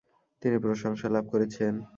তিনি প্রশংসা লাভ করেছেন।